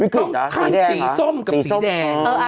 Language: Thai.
ขาดสีส้มกับสีแดง